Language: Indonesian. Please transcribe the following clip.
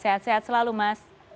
sehat sehat selalu mas